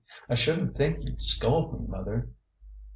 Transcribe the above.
" I shouldn't think you'd scold me, mother."